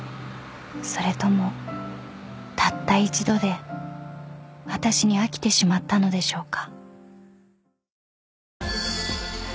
［それともたった一度で私に飽きてしまったのでしょうか？］